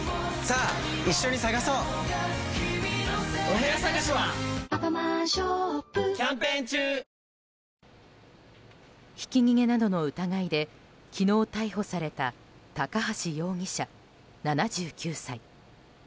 東京海上日動ひき逃げなどの疑いで昨日逮捕された高橋容疑者、７９歳。